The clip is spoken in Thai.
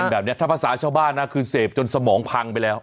แบบนี้ถ้าภาษาชาวบ้านนะคือเสพจนสมองพังไปแล้ว